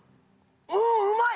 うんうまい！